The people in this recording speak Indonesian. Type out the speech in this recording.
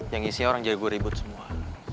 yang isinya orang jadi gue ribut semua